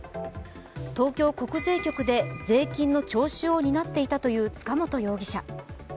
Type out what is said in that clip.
東京国税局で税金の徴収を担っていたという塚本容疑者。